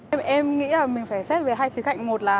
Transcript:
em nghĩ là mình phải xét về hai khía cạnh